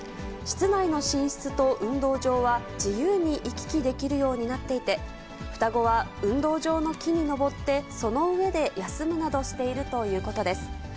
室内の寝室と運動場は自由に行き来できるようになっていて、双子は、運動場の木に登って、その上で休むなどしているということです。